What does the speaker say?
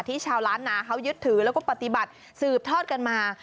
ชาวล้านนาเขายึดถือแล้วก็ปฏิบัติสืบทอดกันมา